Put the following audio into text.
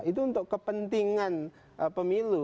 itu untuk kepentingan pemilu